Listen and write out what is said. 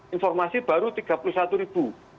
informasi baru tiga puluh satu ribu